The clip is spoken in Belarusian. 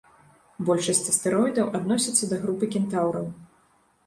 Большасць астэроідаў адносяцца да групы кентаўраў.